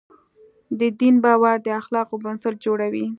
د دین باور د اخلاقو بنسټ جوړوي.